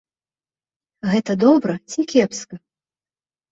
Гэта добра ці кепска?